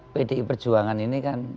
pdi perjuangan ini kan